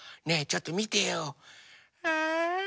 ねえちょっとみてよ。え？